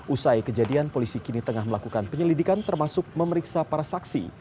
usai kejadian polisi kini tengah melakukan penyelidikan termasuk memeriksa para saksi